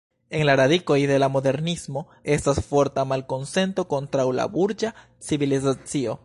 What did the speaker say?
En la radikoj de la Modernismo estas forta malkonsento kontraŭ la burĝa civilizacio.